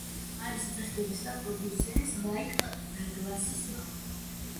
არის მსახიობისა და პროდიუსერის, მაიკლ დაგლასის მამა.